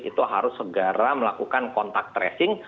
itu harus segera melakukan kontak tracing